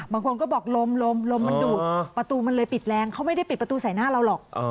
บางคนก็บอกลมลมมันดูดประตูมันเลยปิดแรงเขาไม่ได้ปิดประตูใส่หน้าเราหรอก